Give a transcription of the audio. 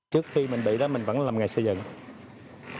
trước khi mình bị đó mình vẫn làm nghề xây dựng